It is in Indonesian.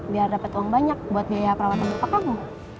biar dapat uang banyak buat biaya perawatan bapak kamu